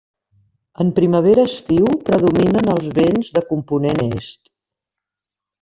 En primavera-estiu predominen els vents de component est.